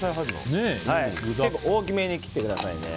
結構大きめに切ってくださいね。